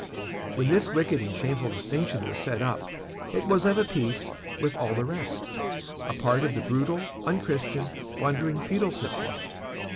When this wicked and shameful distinction was set up, it was of a piece with all the rest a part of the brutal, unchristian, blundering feudal system.